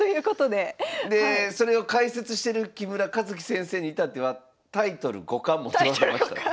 でそれを解説してる木村一基先生に至ってはタイトル五冠持っておられますから。